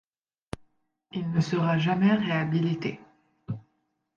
Il ne sera jamais réhabilité.